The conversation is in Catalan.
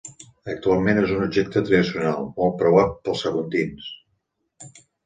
Actualment és un objecte tradicional, molt preuat pels saguntins.